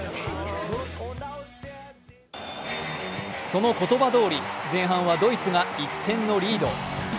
その言葉どおり、前半はドイツが１点のリード。